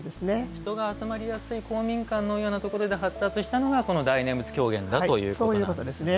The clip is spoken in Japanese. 人が集まりやすい公民館のようなところで発達したのがこの大念仏狂言だということなんですね。